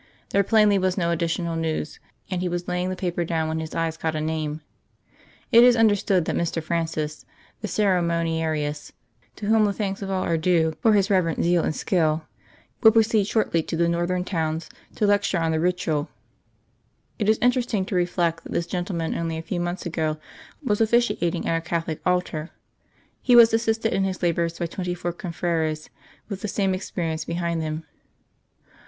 There plainly was no additional news; and he was laying the paper down when his eye caught a name. "It is understood that Mr. Francis, the ceremoniarius (to whom the thanks of all are due for his reverent zeal and skill), will proceed shortly to the northern towns to lecture on the Ritual. It is interesting to reflect that this gentleman only a few months ago was officiating at a Catholic altar. He was assisted in his labours by twenty four confreres with the same experience behind them."